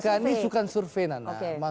bukan ini bukan survei nana